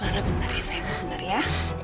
lara benar ya sayang benar ya